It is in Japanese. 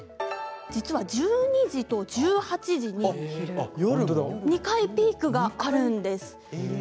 実は１２時と１８時に２回、ピークがあるんです。